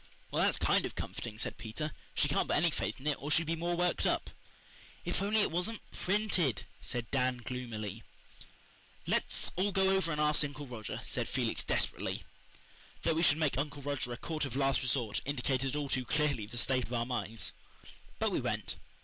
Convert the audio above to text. '" "Well, that's kind of comforting," said Peter. "She can't put any faith in it, or she'd be more worked up." "If it only wasn't PRINTED!" said Dan gloomily. "Let's all go over and ask Uncle Roger," said Felix desperately. That we should make Uncle Roger a court of last resort indicated all too clearly the state of our minds. But we went.